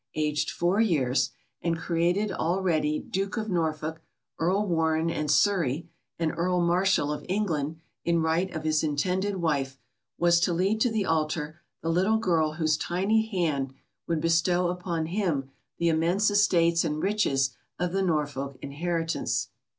aged four years, and created already Duke of Norfolk, Earl Warren and Surrey, and Earl Marshal of England, in right of his intended wife, was to lead to the altar the little girl whose tiny hand would bestow upon him the immense estates and riches of the Norfolk inheritance.